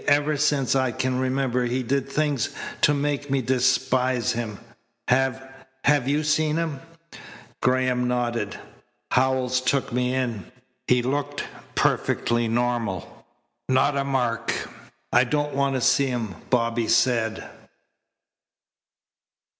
Ever since I can remember he did things to make me despise him. Have have you seen him?" Graham nodded. "Howells took me in. He looked perfectly normal not a mark." "I don't want to see him," Bobby said.